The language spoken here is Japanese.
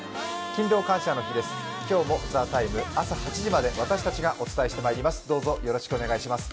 勤労感謝の日です、今日も「ＴＨＥＴＩＭＥ，」、朝８時まで私たちがお伝えしてまいります。